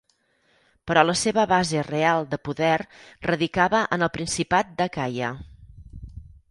Però la seva base real de poder radicava en el Principat d'Acaia.